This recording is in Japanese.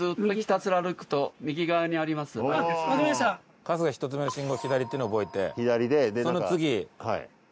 春日１つ目の信号を左っていうのを覚えてその次大橋君覚えてね。